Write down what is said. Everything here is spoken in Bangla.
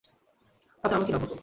তাতে আমার কী লাভ হতো?